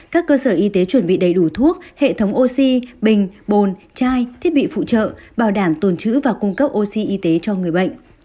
các cơ sở y tế chuẩn bị đầy đủ thuốc hệ thống oxy bình bồn trai thiết bị phụ trợ bảo đảm tồn chữ và cung cấp oxy y tế cho người bệnh